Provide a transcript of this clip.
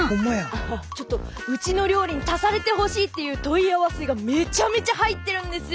ちょっとうちの料理に足されてほしいっていう問い合わせがめちゃめちゃ入ってるんですよ。